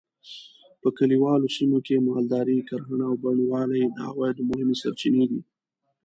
په کلیوالي سیمو کې مالداري؛ کرهڼه او بڼوالي د عوایدو مهمې سرچینې دي.